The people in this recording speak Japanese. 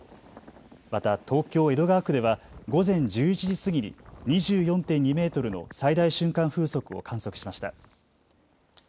また東京江戸川区では午前１１時過ぎに２４．２メートルの最大瞬間風速を観測しました。